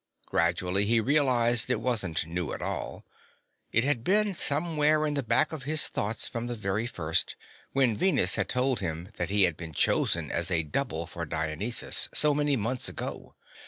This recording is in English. Gradually, he realized it wasn't new at all; it had been somewhere in the back of his thoughts from the very first, when Venus had told him that he had been chosen as a double for Dionysus, so many months ago.